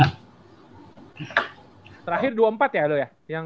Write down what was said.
terakhir dua puluh empat ya ado ya